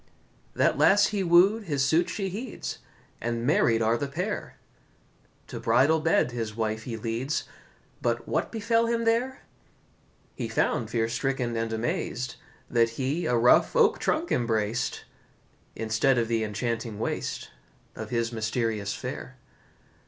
That lass he wooed, his suit she heeds, And married are the pair; To bridal bed his wife he leads— But what befell him there? He found, fear stricken and amaz'd, That he a rough oak trunk embrac'd, Instead of the enchanting waist Of his mysterious fair.